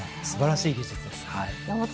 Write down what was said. すばらしい技術です。